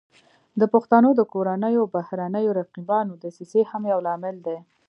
د پښتنو د کورنیو او بهرنیو رقیبانو دسیسې هم یو لامل دی